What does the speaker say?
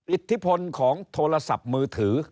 อิทธิพลของโทรศัพท์มือถือ